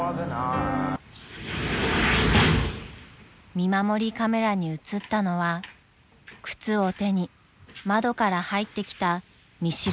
・［見守りカメラに写ったのは靴を手に窓から入ってきた見知らぬ女性］